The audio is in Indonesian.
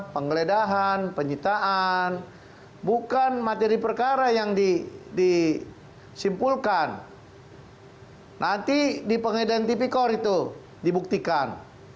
penggeledahan penyitaan bukan materi perkara yang di disimpulkan nanti di pengidentifikasi itu dibuktikan